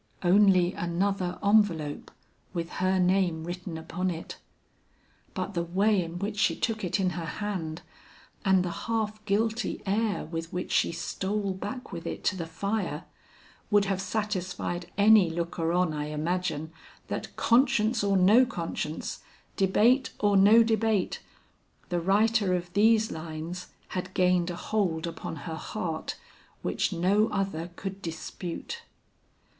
Only another envelope with her name written upon it. But the way in which she took it in her hand, and the half guilty air with which she stole back with it to the fire, would have satisfied any looker on I imagine, that conscience or no conscience, debate or no debate, the writer of these lines had gained a hold upon her heart, which no other could dispute.